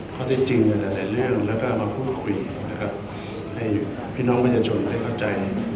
ก็จริงและแต่เป็นมาส่วนคุยกับพี่น้องมัวจะชนต์เข้าใจ